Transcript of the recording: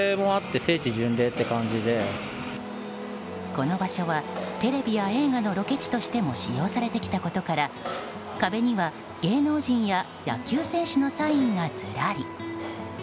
この場所はテレビや映画のロケ地としても使用されてきたことから壁には、芸能人や野球選手のサインがずらり。